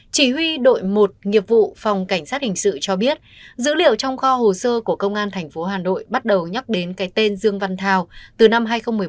chỉ huy đội một nghiệp vụ phòng cảnh sát hình sự cho biết dữ liệu trong kho hồ sơ của công an tp hà nội bắt đầu nhắc đến cái tên dương văn thao từ năm hai nghìn một mươi bảy